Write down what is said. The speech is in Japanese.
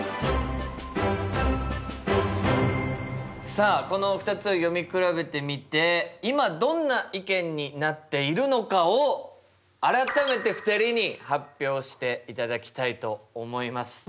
さあこの２つを読み比べてみて今どんな意見になっているのかを改めて２人に発表していただきたいと思います。